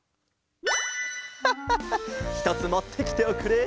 ハッハッハひとつもってきておくれ。